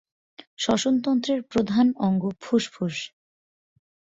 শ্বসনতন্ত্রের প্রধান অঙ্গ ফুসফুস।